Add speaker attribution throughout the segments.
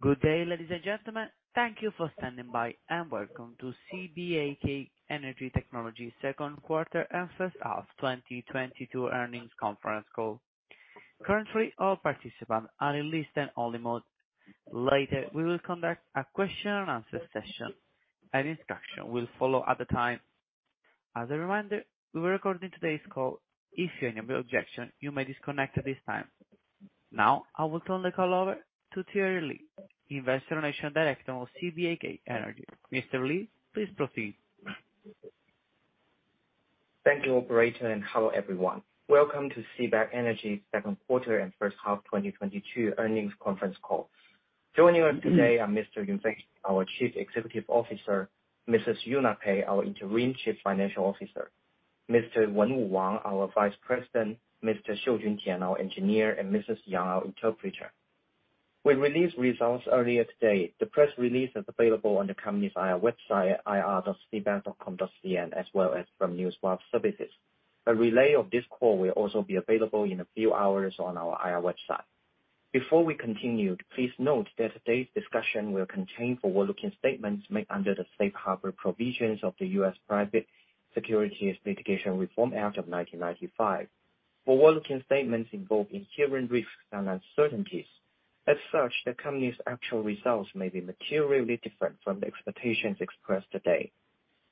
Speaker 1: Good day, ladies and gentlemen. Thank you for standing by, and welcome to CBAK Energy Technology second quarter and first half 2022 earnings conference call. Currently, all participants are in listen only mode. Later, we will conduct a question and answer session. An instruction will follow at the time. As a reminder, we are recording today's call. If you have any objection, you may disconnect at this time. Now, I will turn the call over to Thierry Jiewei Li, Investor Relations Director of CBAK Energy. Mr. Li, please proceed.
Speaker 2: Thank you, operator, and hello everyone. Welcome to CBAK Energy Technology second quarter and first half 2022 earnings conference call. Joining us today are Mr. Yunfei Li, our Chief Executive Officer, Ms. Xiangyu Pei, our Interim Chief Financial Officer, Mr. Wenwu Wang, our Vice President, Mr. Xiujun Tian, our engineer, and Mrs. Yang, our interpreter. We released results earlier today. The press release is available on the company's IR website at ir.cbak.com.cn, as well as from Newswire Services. A replay of this call will also be available in a few hours on our IR website. Before we continue, please note that today's discussion will contain forward-looking statements made under the Safe Harbor Provisions of the U.S. Private Securities Litigation Reform Act of 1995. Forward-looking statements involve inherent risks and uncertainties. As such, the company's actual results may be materially different from the expectations expressed today.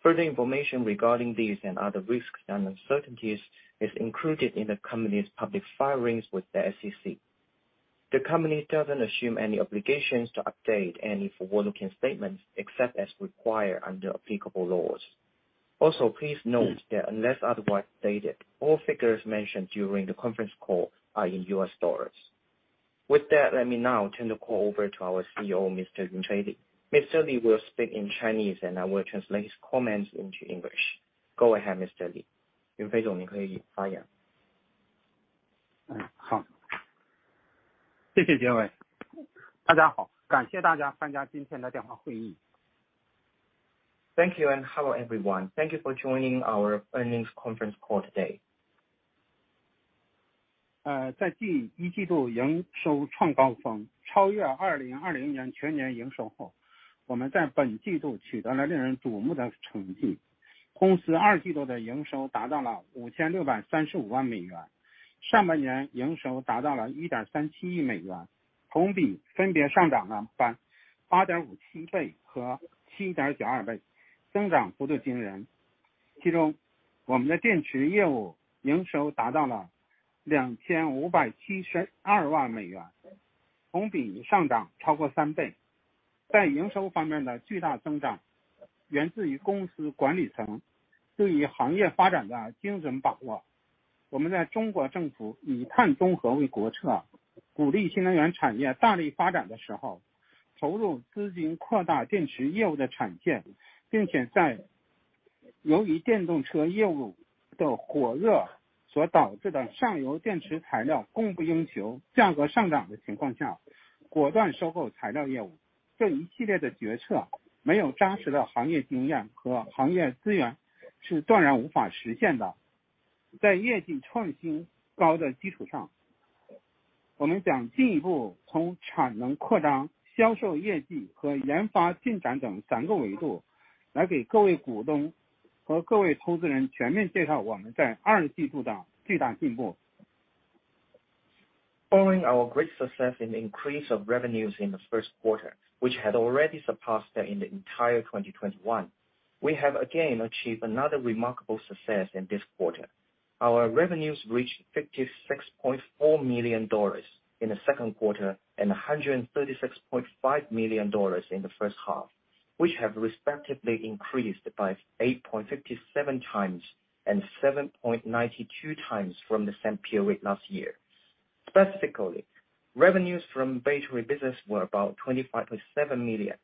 Speaker 2: Further information regarding these and other risks and uncertainties is included in the company's public filings with the SEC. The company doesn't assume any obligations to update any forward-looking statements, except as required under applicable laws. Also, please note that unless otherwise stated, all figures mentioned during the conference call are in US dollars. With that, let me now turn the call over to our CEO, Mr. Yunfei Li. Mr. Li will speak in Chinese, and I will translate his comments into English. Go ahead, Mr. Li.
Speaker 3: Thank you and hello everyone. Thank you for joining our earnings conference call today.
Speaker 4: Uh,
Speaker 2: Thank you and hello everyone. Thank you for joining our earnings conference call today.
Speaker 4: Uh,
Speaker 2: Following our great success in the increase of revenues in the first quarter, which had already surpassed that in the entire 2021, we have again achieved another remarkable success in this quarter. Our revenues reached $56.4 million in the second quarter, and $136.5 million in the first half, which have respectively increased by 8.57x and 7.92x from the same period last year. Specifically, revenues from battery business were about $25.7 million,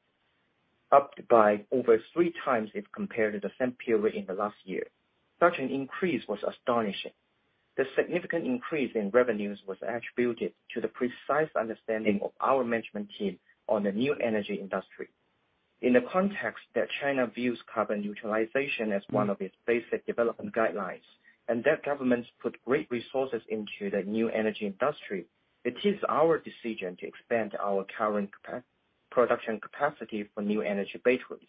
Speaker 2: upped by over 3x if compared to the same period in the last year. Such an increase was astonishing. The significant increase in revenues was attributed to the precise understanding of our management team on the new energy industry. In the context that China views carbon neutrality as one of its basic development guidelines, and the government's put great resources into the new energy industry, it is our decision to expand our current production capacity for new energy batteries.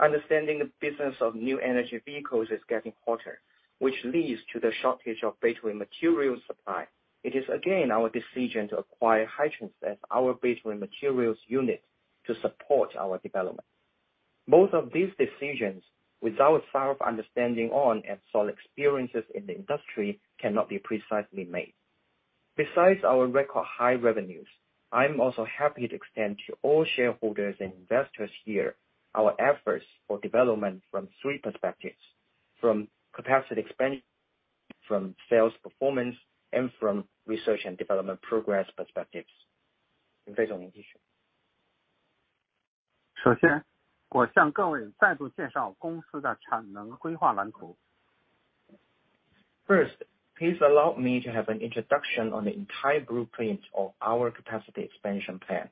Speaker 2: Understanding the business of new energy vehicles is getting hotter, which leads to the shortage of battery material supply. It is again our decision to acquire Hitrans as our battery materials unit to support our development. Both of these decisions, without thorough understanding on and solid experiences in the industry, cannot be precisely made. Besides our record high revenues, I'm also happy to extend to all shareholders and investors here our efforts for development from three perspectives. From capacity expansion, from sales performance, and from research and development progress perspectives. First, please allow me to have an introduction on the entire blueprint of our capacity expansion plan.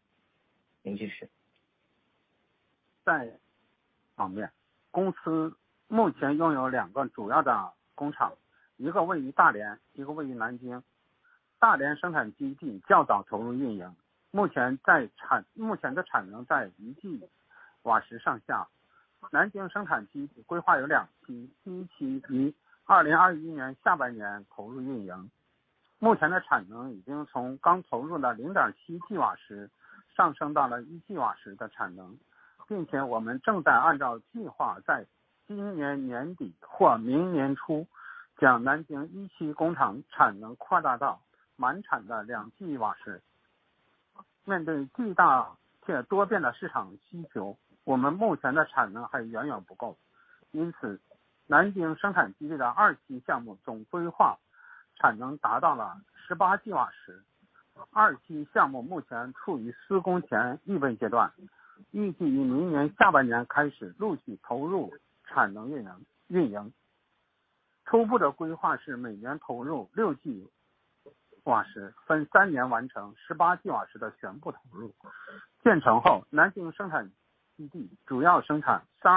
Speaker 2: I will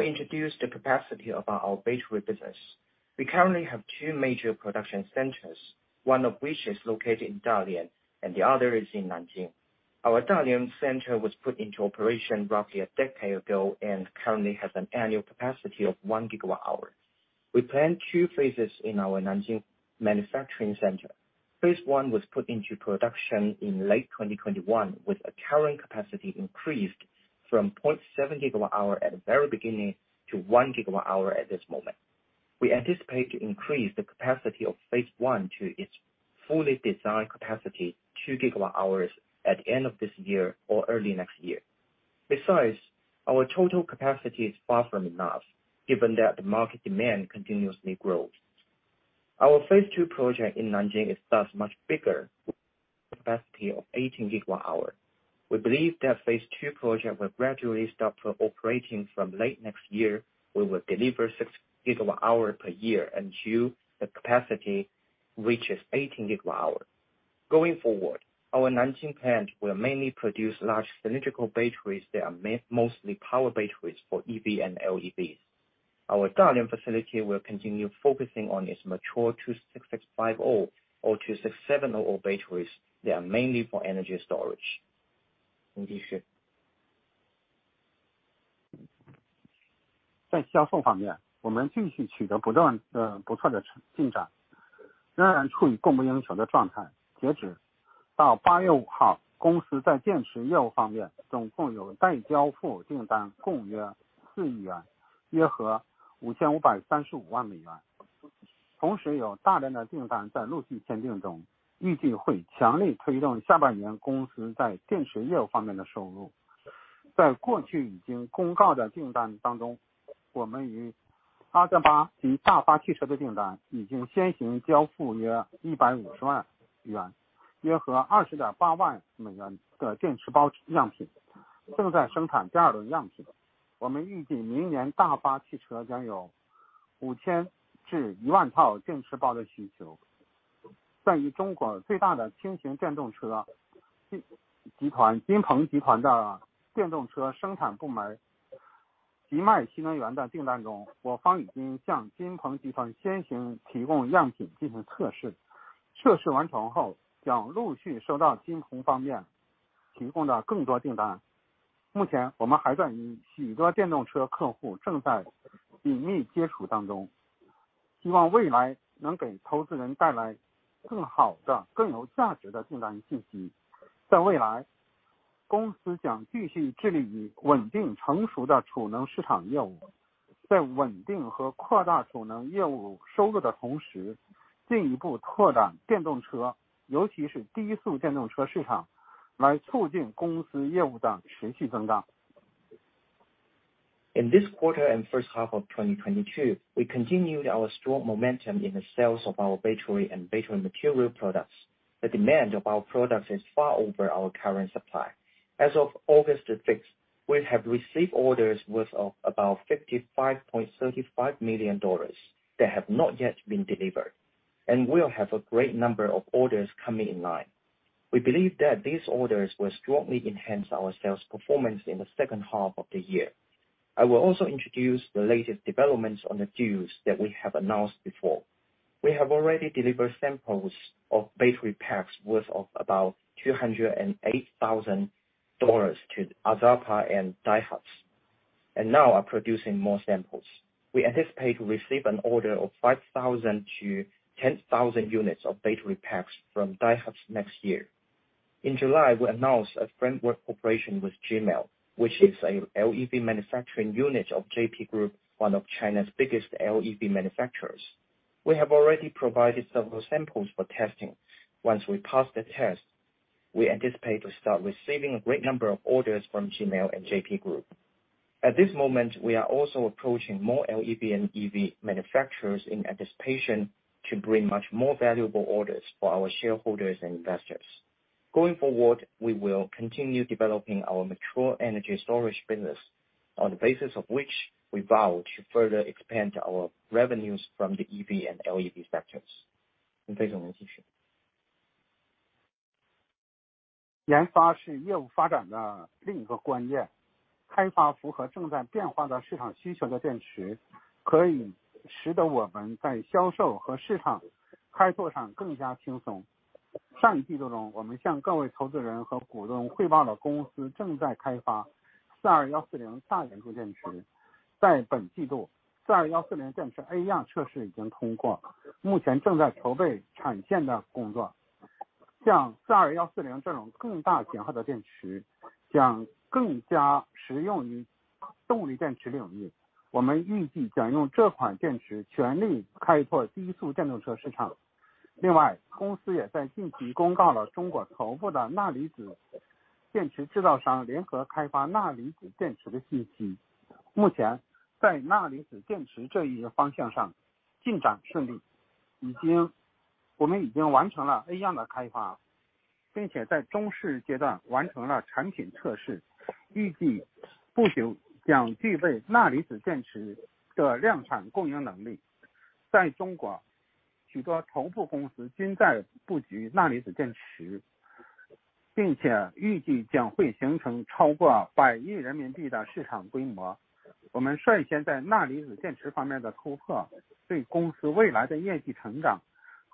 Speaker 2: introduce the capacity of our battery business. We currently have two major production centers, one of which is located in Dalian and the other is in Nanjing. Our Dalian Center was put into operation roughly a decade ago and currently has an annual capacity of 1 GWh. We plan two phases in our Nanjing manufacturing center. Phase I was put into production in late 2021, with a current capacity increased from 0.7 GWh at the very beginning to 1 GWh at this moment. We anticipate to increase the capacity of Phase I to its fully designed capacity 2 GWh at the end of this year or early next year. Besides, our total capacity is far from enough given that the market demand continuously grows. Our Phase II project in Nanjing is thus much bigger, capacity of 18 GWh. We believe that Phase II project will gradually start operating from late next year. We will deliver 6 GWh per year until the capacity reaches 18 GWh. Going forward, our Nanjing plant will mainly produce large cylindrical batteries that are mostly power batteries for EV and LEV. Our Dalian facility will continue focusing on its mature 26650 or 26700 batteries that are mainly for energy storage. In this quarter and first half of 2022, we continued our strong momentum in the sales of our battery and battery material products. The demand of our products is far over our current supply. As of August 5th, we have received orders worth of about $55.35 million that have not yet been delivered. We'll have a great number of orders coming in line. We believe that these orders will strongly enhance our sales performance in the second half of the year. I will also introduce the latest developments on the deals that we have announced before. We have already delivered samples of battery packs worth of about $208,000 to AZAPA and Daihatsu, and now are producing more samples. We anticipate to receive an order of 5,000-10,000 units of battery packs from Daihatsu next year. In July, we announced a framework cooperation with Jimai, which is a LEV manufacturing unit of Jinpeng Group, one of China's biggest LEV manufacturers. We have already provided several samples for testing. Once we pass the test, we anticipate to start receiving a great number of orders from Jimai and Jinpeng Group. At this moment, we are also approaching more LEV and EV manufacturers in anticipation to bring much more valuable orders for our shareholders and investors. Going forward, we will continue developing our mature energy storage business on the basis of which we vow to further expand our revenues from the EV and LEV sectors.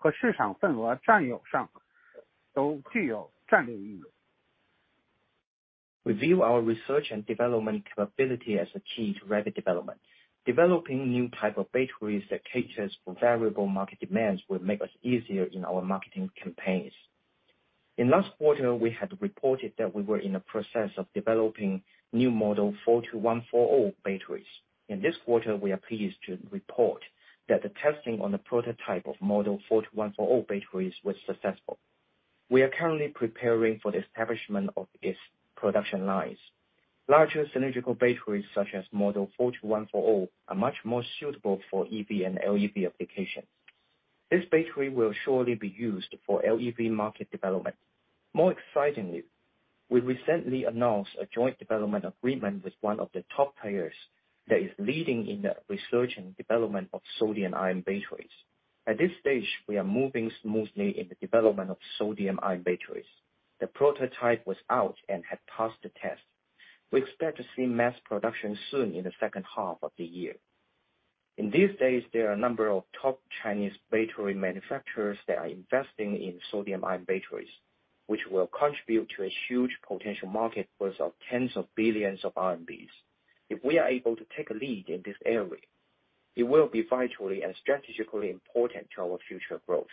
Speaker 2: We view our research and development capability as a key to rapid development. Developing new type of batteries that caters for variable market demands will make us easier in our marketing campaigns. In last quarter, we had reported that we were in the process of developing new model 42140 batteries. In this quarter, we are pleased to report that the testing on the prototype of model 42140 batteries was successful. We are currently preparing for the establishment of its production lines. Larger cylindrical batteries such as model 42140 are much more suitable for EV and LEV application. This battery will surely be used for LEV market development. More excitingly, we recently announced a joint development agreement with one of the top players that is leading in the research and development of sodium-ion batteries. At this stage, we are moving smoothly in the development of sodium-ion batteries. The prototype was out and had passed the test. We expect to see mass production soon in the second half of the year. In these days, there are a number of top Chinese battery manufacturers that are investing in sodium-ion batteries, which will contribute to a huge potential market worth of tens of billions of RMBs. If we are able to take a lead in this area, it will be vitally and strategically important to our future growth.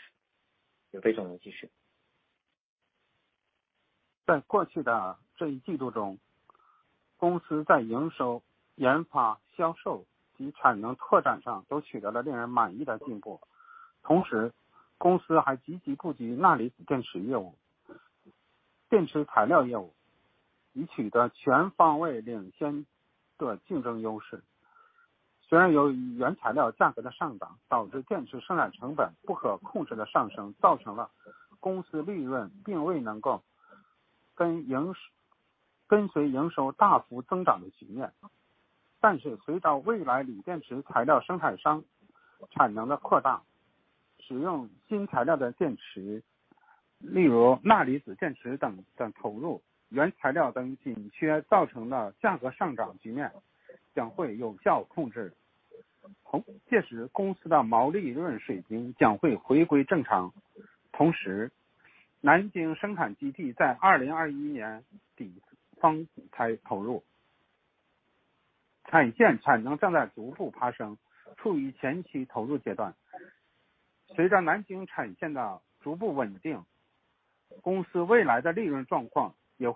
Speaker 2: In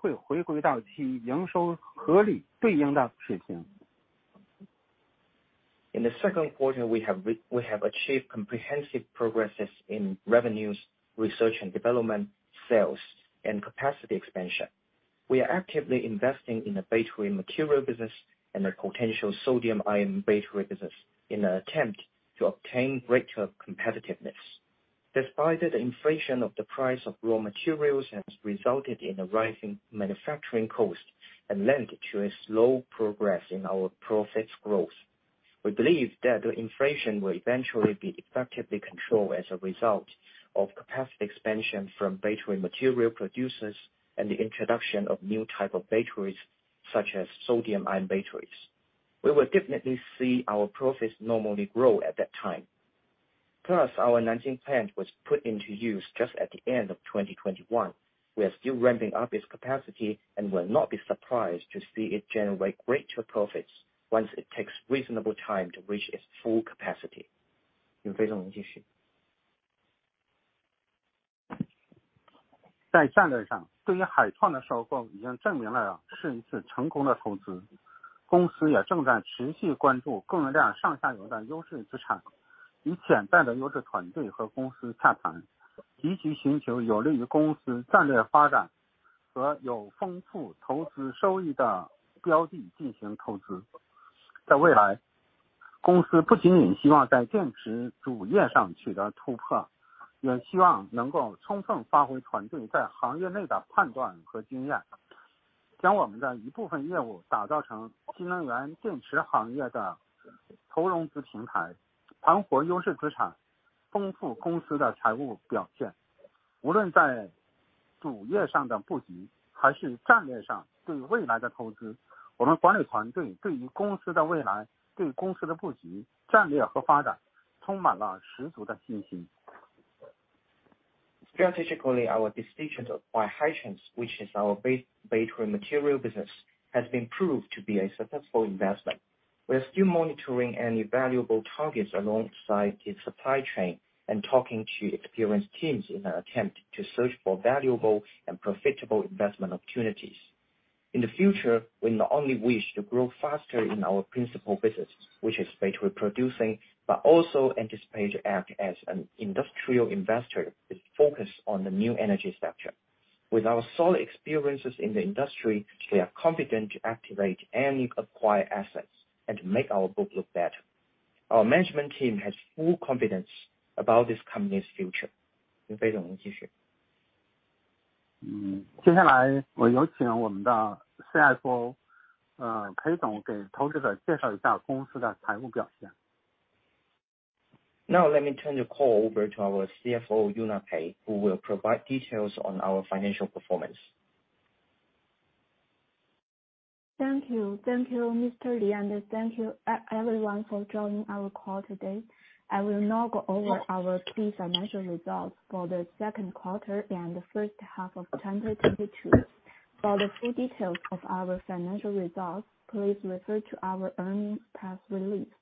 Speaker 2: the second quarter we have achieved comprehensive progresses in revenues, research and development, sales and capacity expansion. We are actively investing in the battery material business and the potential sodium-ion battery business in an attempt to obtain greater competitiveness. Despite the inflation of the price of raw materials has resulted in a rise in manufacturing cost and led to a slow progress in our profits growth, we believe that the inflation will eventually be effectively controlled as a result of capacity expansion from battery material producers and the introduction of new type of batteries such as sodium-ion batteries. We will definitely see our profits normally grow at that time. Plus, our Nanjing plant was put into use just at the end of 2021. We are still ramping up its capacity and will not be surprised to see it generate greater profits once it takes reasonable time to reach its full capacity. Strategically, our decisions by Hitrans, which is our battery material business, has been proved to be a successful investment. We are still monitoring any valuable targets alongside its supply chain and talking to experienced teams in an attempt to search for valuable and profitable investment opportunities. In the future, we not only wish to grow faster in our principal business, which is battery producing, but also anticipate to act as an industrial investor with focus on the new energy structure. With our solid experiences in the industry, we are confident to activate any acquired assets and make our book look better. Our management team has full confidence about this company's future. Now let me turn the call over to our CFO, Xiangyu Pei, who will provide details on our financial performance.
Speaker 5: Thank you. Thank you, Mr. Li, and thank you everyone for joining our call today. I will now go over our key financial results for the second quarter and the first half of 2022. For the full details of our financial results, please refer to our earnings press release.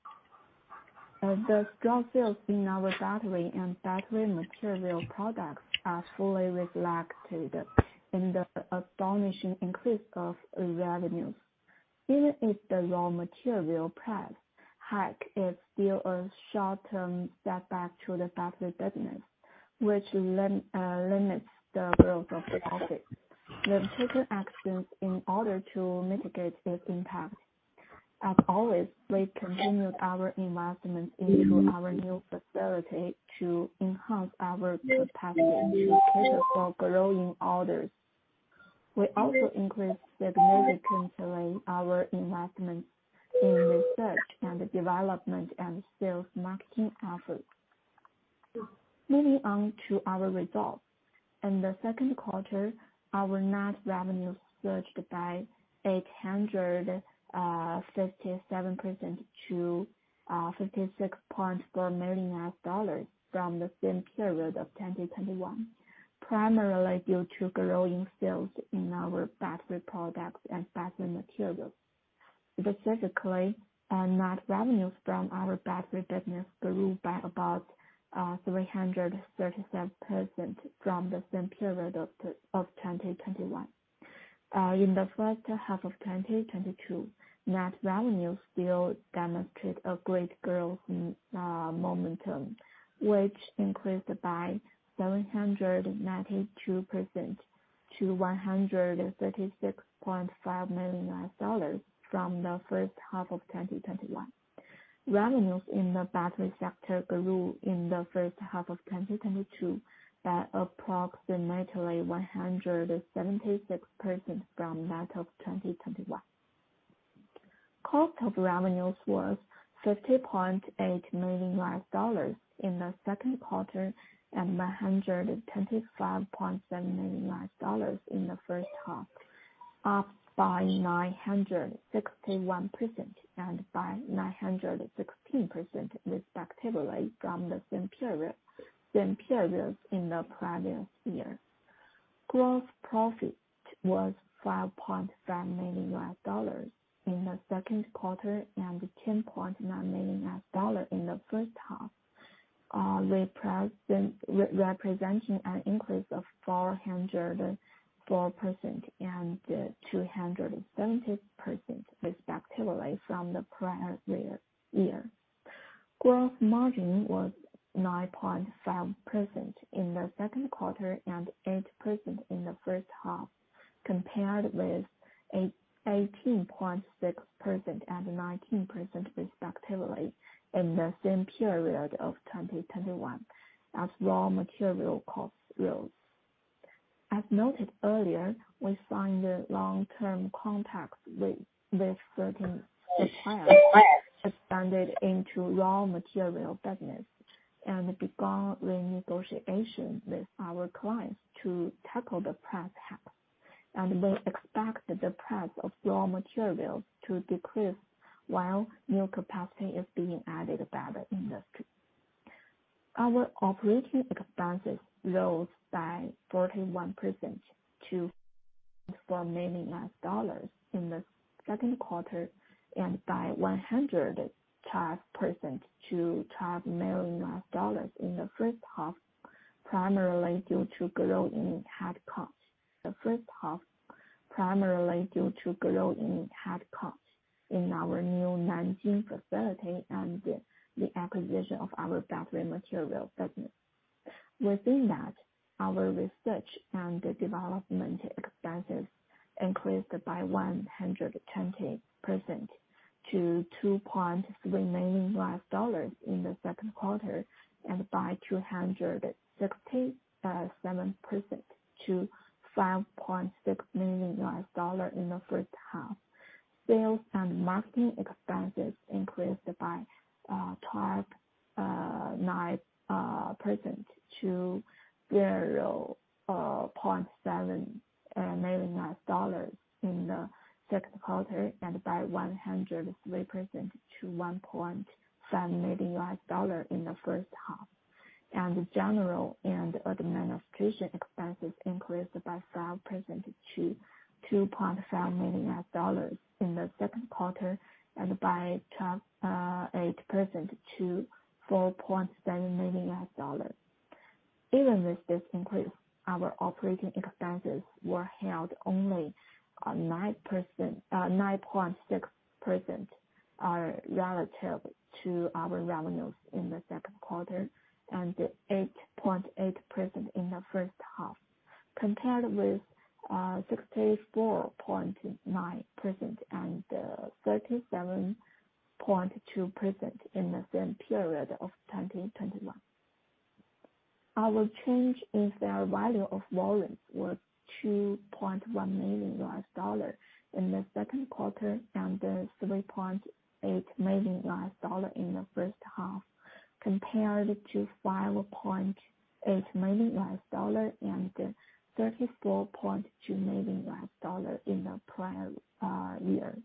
Speaker 5: As the strong sales in our battery and battery material products are fully reflected in the astonishing increase of revenues, even if the raw material price hike is still a short-term setback to the battery business, which limits the growth of capacity. We have taken actions in order to mitigate this impact. As always, we've continued our investment into our new facility to enhance our capacity to cater for growing orders. We also increased significantly our investment in research and development and sales marketing efforts. Moving on to our results. In the second quarter, our net revenue surged by 857% to $56.4 million from the same period of 2021, primarily due to growing sales in our battery products and battery materials. Specifically, our net revenues from our battery business grew by about 337% from the same period of 2021. In the first half of 2022, net revenues still demonstrate a great growth momentum, which increased by 792% to $136.5 million from the first half of 2021. Revenues in the battery sector grew in the first half of 2022 by approximately 176% from that of 2021. Cost of revenues was $50.8 million in the second quarter and $125.7 million in the first half, up by 961% and by 916% respectively from the same period, same periods in the previous year. Gross profit was $5.5 million in the second quarter and $10.9 million in the first half, representing an increase of 404% and 270% respectively from the prior year. Gross margin was 9.5% in the second quarter and 8% in the first half, compared with 18.6% and 19% respectively in the same period of 2021 as raw material costs rose. As noted earlier, we signed long-term contracts with certain suppliers, expanded into raw material business and began renegotiation with our clients to tackle the price hike. We expect the price of raw materials to decrease while new capacity is being added by the industry. Our operating expenses rose by 41% to $4 million in the second quarter and by 105% to $12 million in the first half, primarily due to growth in headcounts in our new Nanjing facility and the acquisition of our battery material business. Within that, our research and development expenses increased by 110% to $2.3 million in the second quarter, and by 267% to $5.6 million in the first half. Sales in the prior year.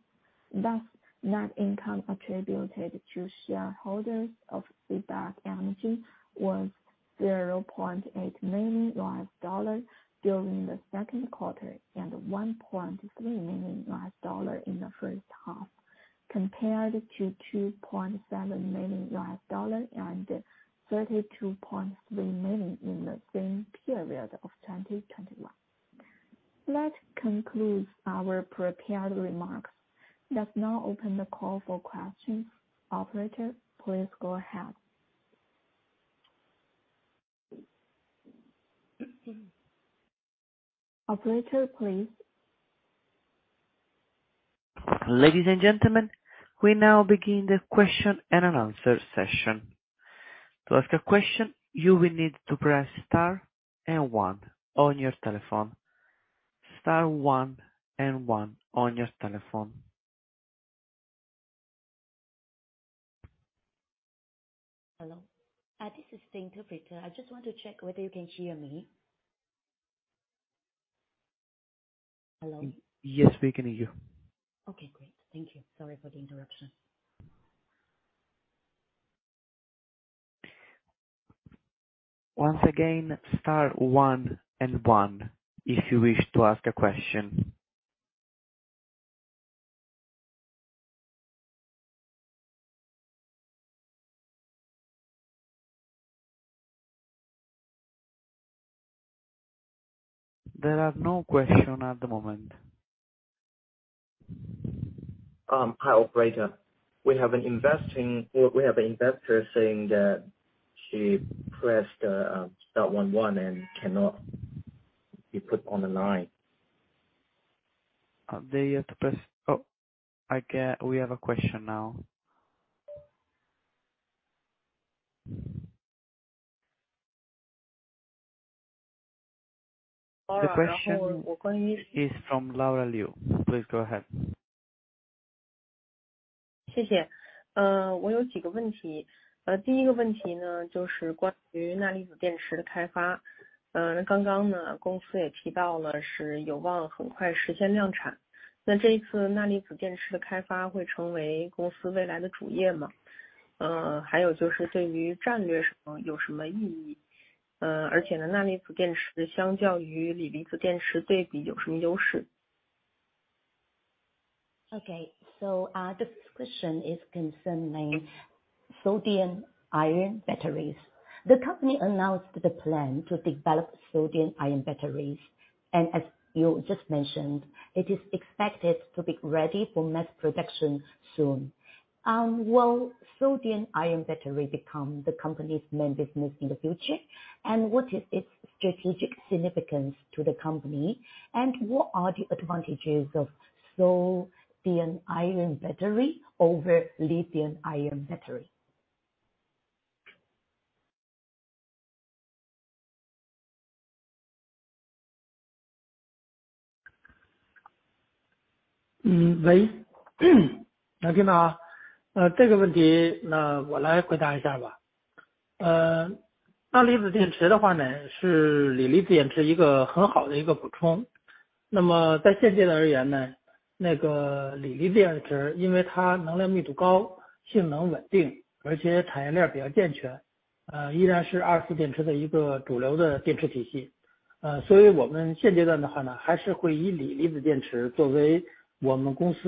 Speaker 5: Thus, net income attributed to shareholders of CBAK Energy was $0.8 million during the second quarter and $1.3 million in the first half, compared to $2.7 million and $32.3 million in the same period of 2021. That concludes our prepared remarks. Let's now open the call for questions. Operator, please go ahead. Operator, please.
Speaker 1: Ladies and gentlemen, we now begin the question and answer session. To ask a question, you will need to press star and one on your telephone. Star one and one on your telephone.
Speaker 6: Hello. This is Wen-Haw Ting from Reuters. I just want to check whether you can hear me. Hello?
Speaker 1: Yes, we can hear you.
Speaker 6: Okay, great. Thank you. Sorry for the interruption.
Speaker 1: Once again, star one and one, if you wish to ask a question. There are no questions at the moment.
Speaker 4: Hi, operator. We have an investor saying that she pressed star one one and cannot be put on the line.
Speaker 1: We have a question now. The question is from Laura Liu. Please go ahead.
Speaker 7: Okay. The first question is concerning sodium-ion batteries. The company announced the plan to develop sodium-ion batteries, and as you just mentioned, it is expected to be ready for mass production soon. Will sodium-ion battery become the company's main business in the future? What is its strategic significance to the company? What are the advantages of sodium-ion battery over lithium-ion battery?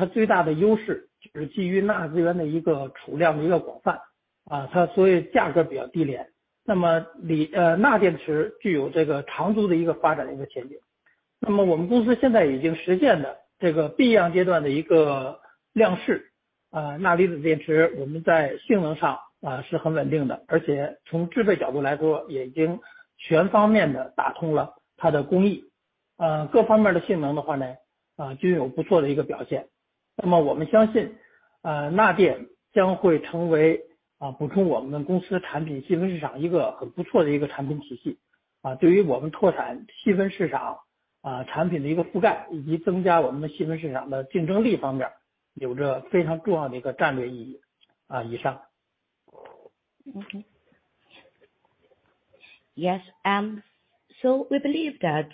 Speaker 5: Yes. We believe that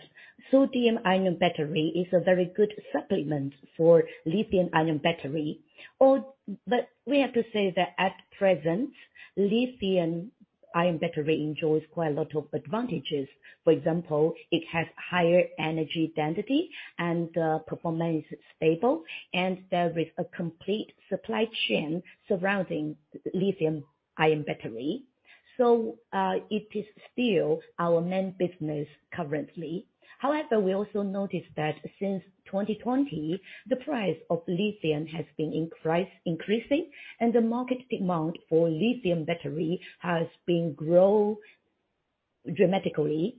Speaker 5: sodium-ion battery is a very good supplement for lithium-ion battery but we have to say that at present, lithium-ion battery enjoys quite a lot of advantages. For example, it has higher energy density and the performance is stable and there is a complete supply chain surrounding lithium-ion battery. It is still our main business currently. However, we also notice that since 2020, the price of lithium has been increasing and the market demand for lithium battery has been growing dramatically.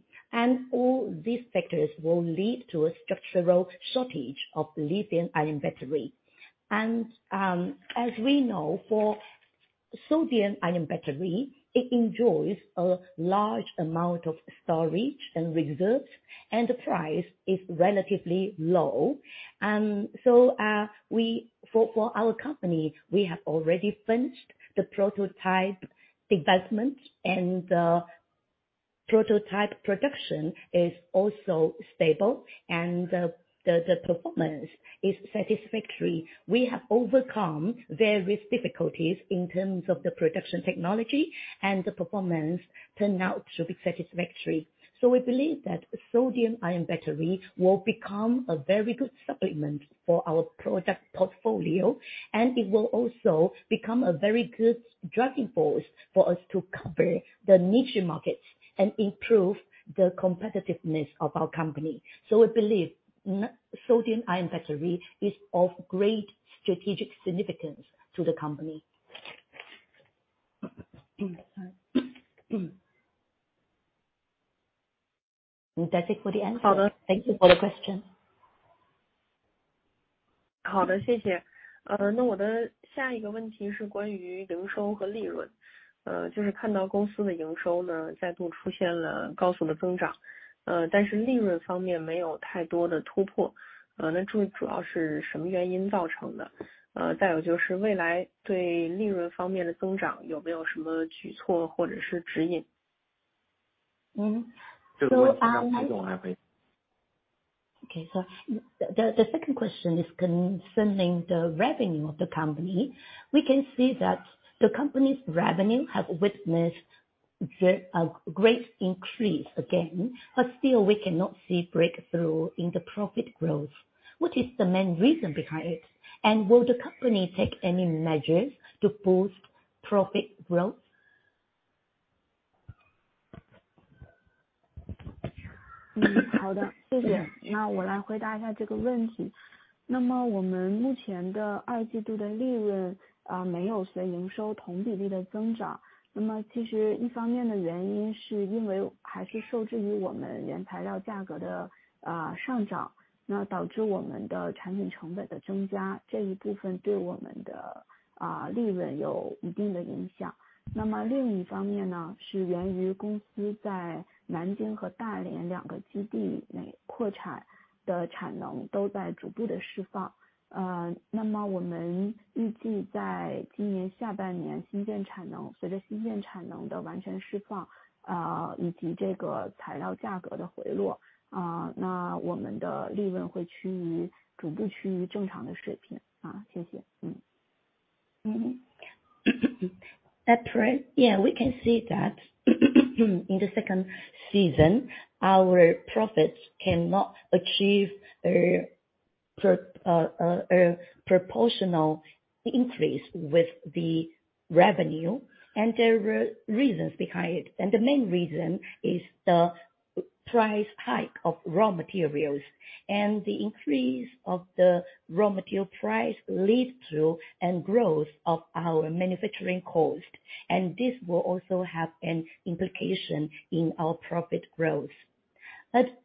Speaker 5: All these factors will lead to a structural shortage of lithium-ion battery. As we know, for sodium-ion battery, it enjoys a large amount of storage and reserves and the price is relatively low. For our company, we have already finished the prototype development and the prototype production is also stable and the performance is satisfactory. We have overcome various difficulties in terms of the production technology and the performance turned out to be satisfactory. We believe that sodium-ion battery will become a very good supplement for our product portfolio, and it will also become a very good driving force for us to cover the niche markets and improve the competitiveness of our company. We believe sodium-ion battery is of great strategic significance to the company. That's it for the answer. Thank you for the question.
Speaker 2: Mm-hmm.
Speaker 8: The second question is concerning the revenue of the company. We can see that the company's revenue has witnessed a great increase again. Still we cannot see breakthrough in the profit growth. What is the main reason behind it? Will the company take any measures to boost profit growth?
Speaker 5: At present, yeah, we can see that in the second quarter our profits cannot achieve a proportional increase with the revenue, and there are reasons behind it. The main reason is the price hike of raw materials and the increase of the raw material price leading to the growth of our manufacturing cost. This will also have an implication in our profit growth.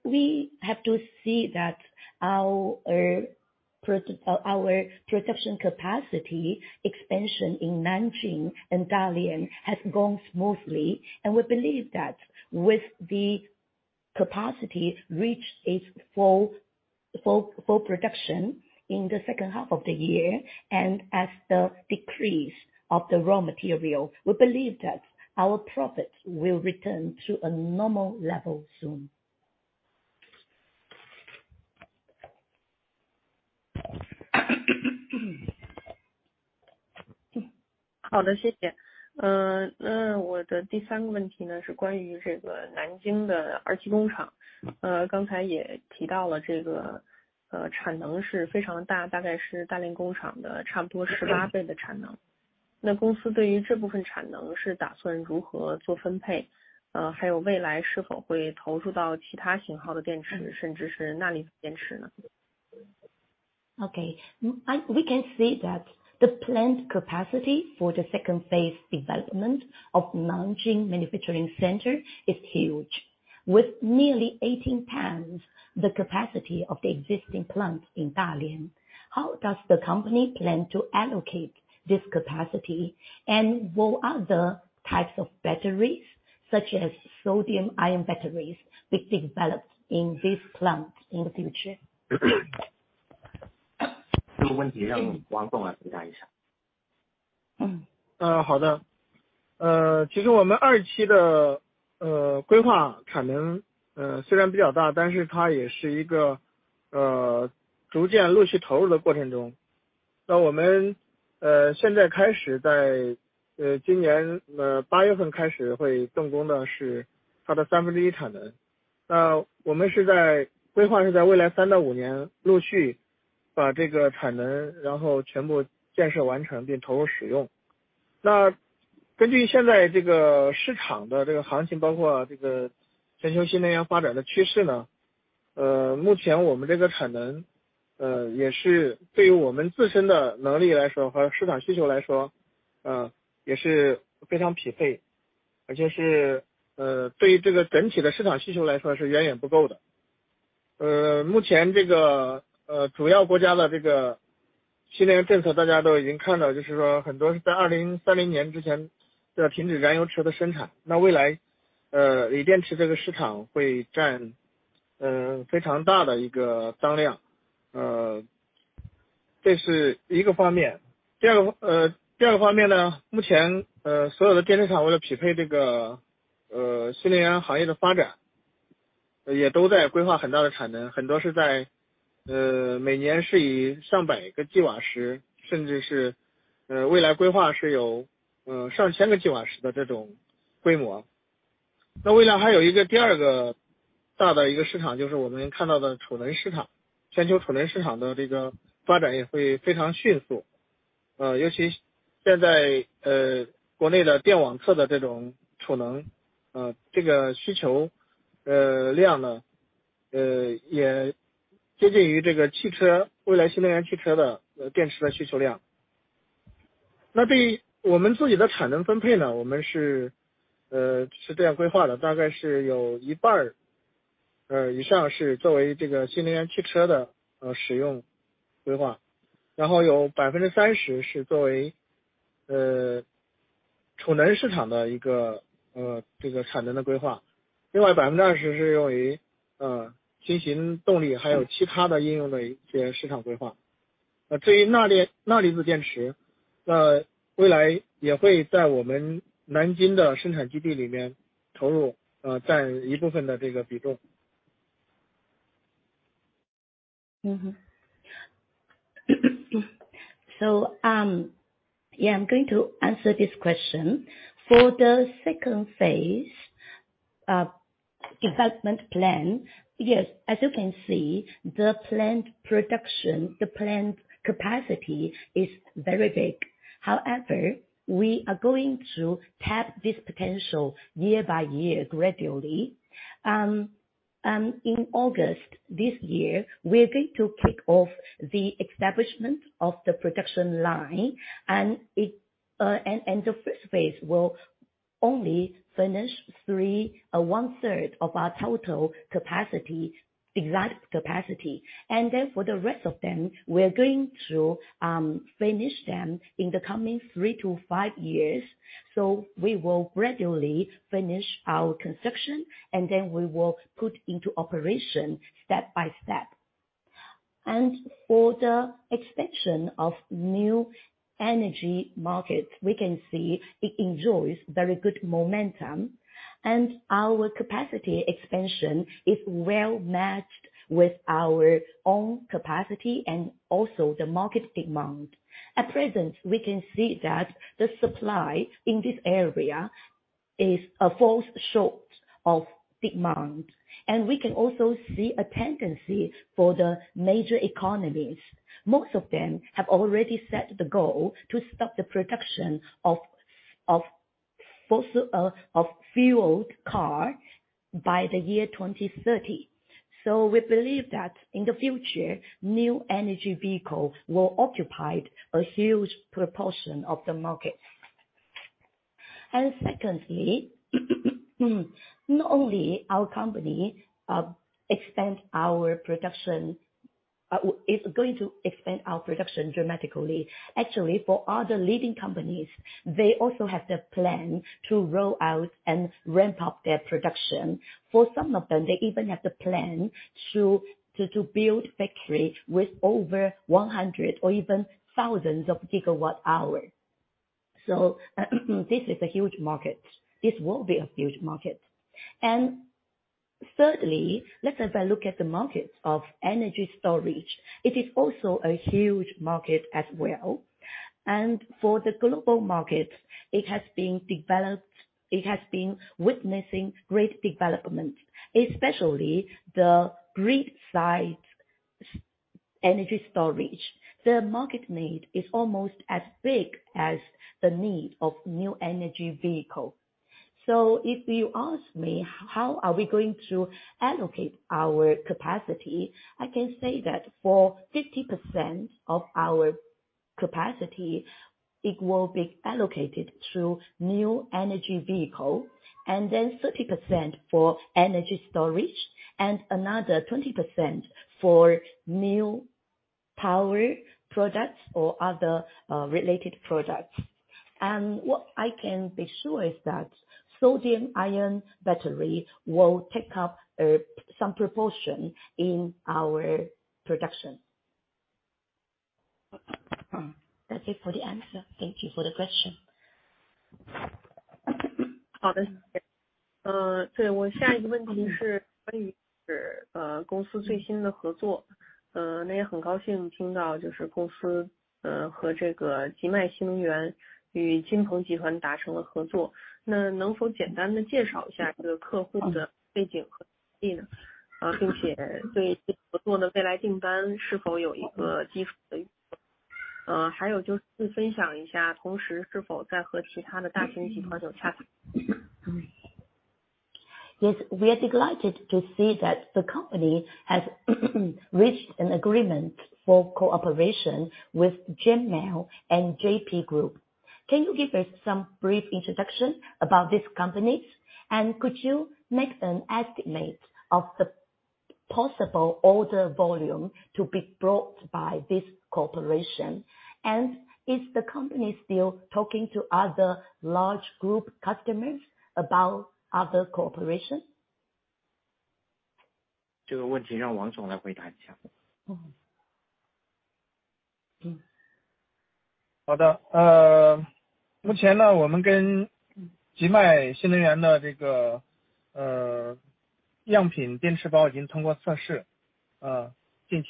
Speaker 5: We have to see that our production capacity expansion in Nanjing and Dalian has gone smoothly, and we believe that with the capacity reached its full production in the second half of the year. As the decrease of the raw material, we believe that our profits will return to a normal level soon. Okay. We can see that the plant capacity for the second phase development of Nanjing Manufacturing Center is huge, with nearly 18x the capacity of the existing plant in Dalian. How does the company plan to allocate this capacity? Will other types of batteries, such as sodium-ion batteries, be developed in this plant in the future? I'm going to answer this question. For the second phase development plan, yes. As you can see, the plant capacity is very big. However, we are going to tap this potential year by year gradually. In August this year, we are going to kick off the establishment of the production line, and the first phase will only finish one-third of our total capacity, exact capacity. Then for the rest of them, we are going to finish them in the coming 3-5 years. We will gradually finish our construction and then we will put into operation step by step. For the expansion of new energy markets, we can see it enjoys very good momentum. Our capacity expansion is well matched with our own capacity and also the market demand. At present, we can see that the supply in this area falls short of demand, and we can also see a tendency for the major economies. Most of them have already set the goal to stop the production of fossil fueled car by the year 2030. We believe that in the future, new energy vehicle will occupy a huge proportion of the market. Secondly, not only our company going to expand our production dramatically. Actually, for other leading companies, they also have their plan to roll out and ramp up their production.
Speaker 8: For some of them, they even have the plan to build factory with over 100 or even thousands of gigawatt-hours. This is a huge market, this will be a huge market. Thirdly, let's have a look at the market of energy storage. It is also a huge market as well. For the global market, it has been developed, it has been witnessing great development, especially the grid-side energy storage. The market need is almost as big as the need of new energy vehicle. If you ask me how are we going to allocate our capacity, I can say that for 50% of our capacity, it will be allocated to new energy vehicle, and then 30% for energy storage, and another 20% for new power products or other related products. What I can be sure is that sodium-ion battery will take up some proportion in our production. That's it for the answer. Thank you for the question. Yes, we are delighted to see that the company has reached an agreement for cooperation with Jimai and Jinpeng Group. Can you give us some brief introduction about these companies? And could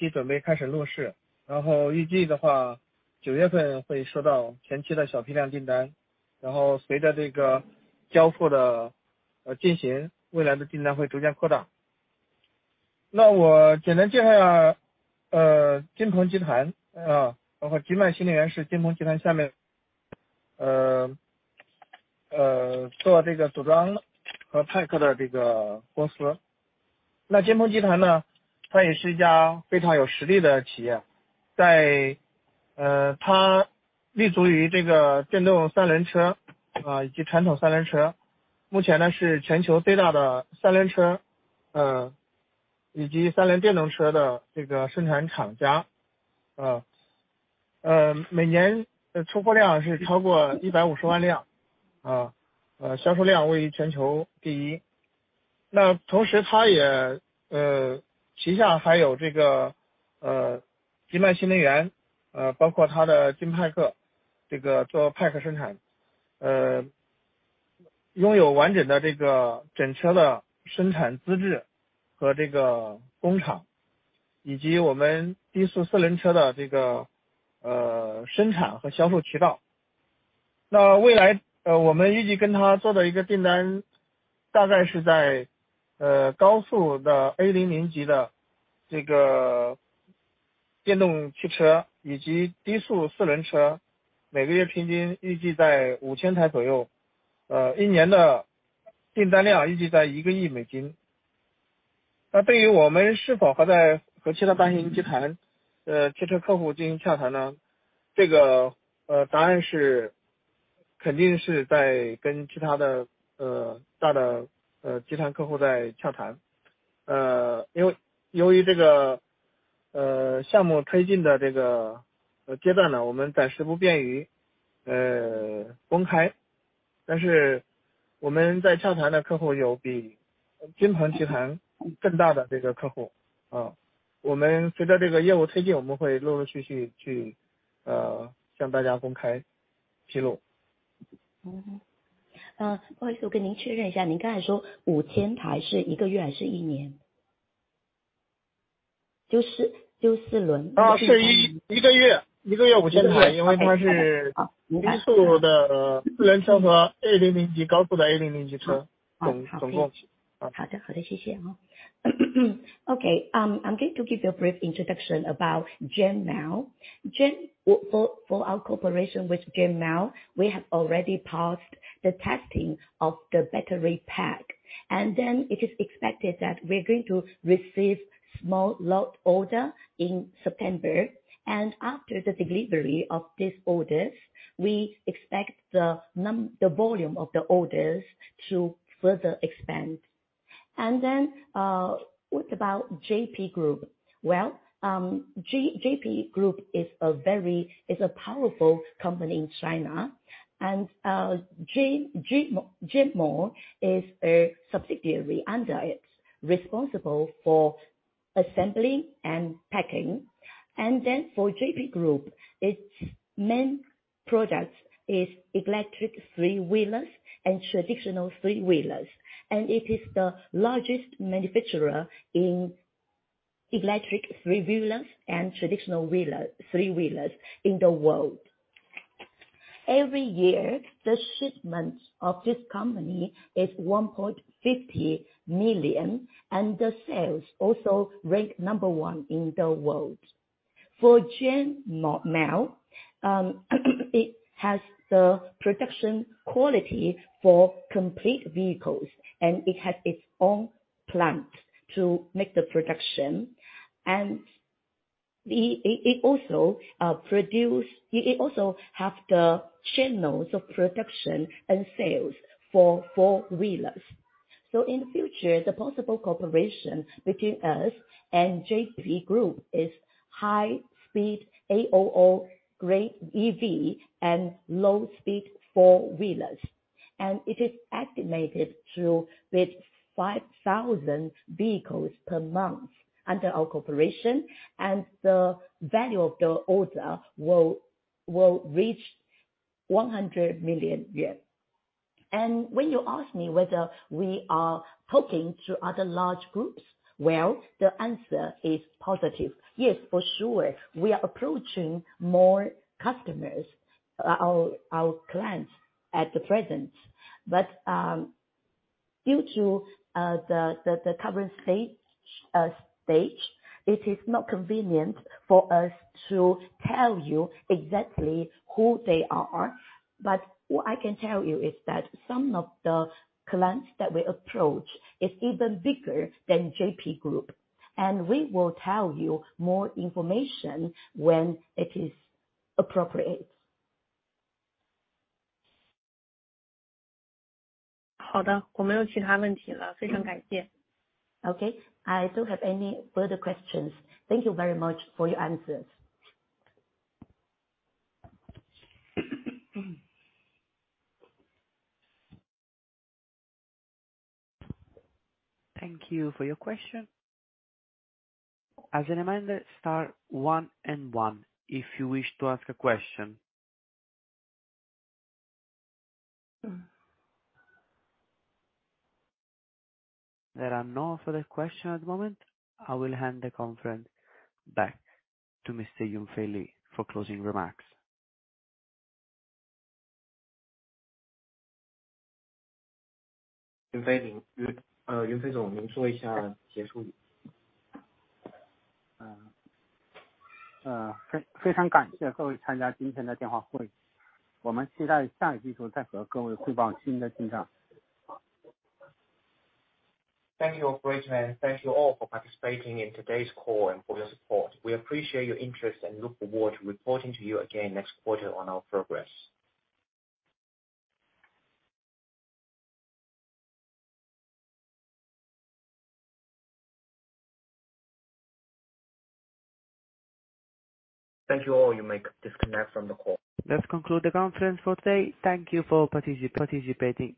Speaker 8: you make an estimate of the possible order volume to be brought by this cooperation? And is the company still talking to other large group customers about other cooperation?
Speaker 2: Mm-hmm. Oh.
Speaker 8: Okay, I'm going to give you a brief introduction about Jimai. For our cooperation with Jimai, we have already passed the testing of the battery pack, and then it is expected that we are going to receive small lot order in September. After the delivery of these orders, we expect the volume of the orders to further expand. What about Jinpeng Group? Well, Jinpeng Group is a powerful company in China. Jimai is a subsidiary under it, responsible for assembly and packing. For Jinpeng Group, its main products is electric three-wheelers and traditional three-wheelers. It is the largest manufacturer in electric three-wheelers and traditional three-wheelers in the world.
Speaker 2: Every year, the shipments of this company is 1.50 million, and the sales also rank number one in the world. For Jimai, it has the production quality for complete vehicles, and it has its own plant to make the production. It also have the channels of production and sales for four-wheelers. In the future, the possible cooperation between us and Jinpeng Group is high-speed A00 grade EV and low-speed four-wheelers. It is estimated to reach 5,000 vehicles per month under our cooperation, and the value of the order will reach 100 million yuan. When you ask me whether we are talking to other large groups, well, the answer is positive. Yes, for sure. We are approaching more customers, our clients at the present.
Speaker 8: Due to the current stage, it is not convenient for us to tell you exactly who they are. What I can tell you is that some of the clients that we approach is even bigger than Jinpeng Group, and we will tell you more information when it is appropriate. Okay. I don't have any further questions. Thank you very much for your answers.
Speaker 1: Thank you for your question. As a reminder, star one and one if you wish to ask a question. There are no further questions at the moment. I will hand the conference back to Mr. Yunfei Li for closing remarks.
Speaker 3: Thank you, operator. Thank you all for participating in today's call and for your support. We appreciate your interest and look forward to reporting to you again next quarter on our progress.
Speaker 1: Thank you all. You may disconnect from the call. Let's conclude the conference for today. Thank you for participating.